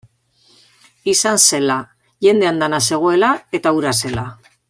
Izan zela, jende andana zegoela eta hura zela.